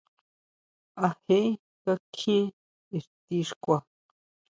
¿A je kakjien ixti xkua.